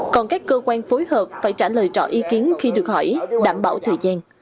còn các cơ quan phối hợp phải trả lời rõ ý kiến khi được hỏi đảm bảo thời gian